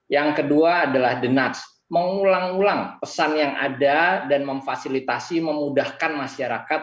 yang kedua adalah the nudge mengulang ulang pesan yang ada dan memfasilitasi memudahkan masyarakat agar bisa mematuhi protokol kesehatan